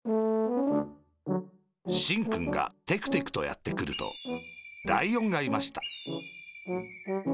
しんくんがテクテクとやってくるとライオンがいました